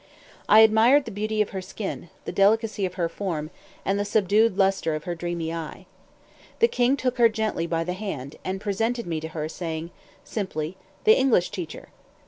I admired the beauty of her skin, the delicacy of her form, and the subdued lustre of her dreamy eyes. The king took her gently by the hand, and presented me to her, saying simply, "The English teacher."